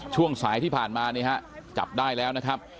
ช่วงสายที่ผ่านมานี่ฮะจับได้แล้วนะครับ